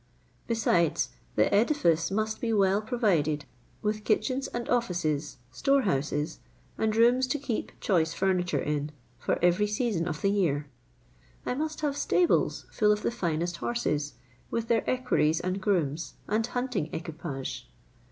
Besides, the edifice must be well provided with kitchens and offices, storehouses, and rooms to keep choice furniture in, for every season of the year. I must have stables full of the finest horses, with their equerries and grooms, and hunting equipage.